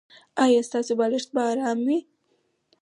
ایا ستاسو بالښت به ارام وي؟